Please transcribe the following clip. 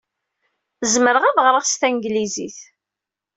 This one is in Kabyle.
Zemreɣ ad ɣreɣ s tanglizit.